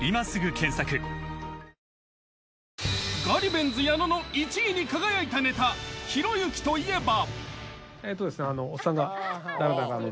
ガリベンズ矢野の１位に輝いたネタひろゆきといえば。